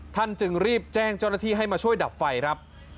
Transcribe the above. จึงรีบแจ้งเจ้าหน้าที่ให้มาช่วยดับไฟครับ